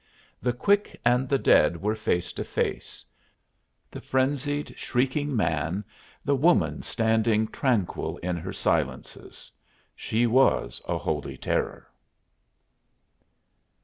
The quick and the dead were face to face the frenzied, shrieking man the woman standing tranquil in her silences. She was a holy terror!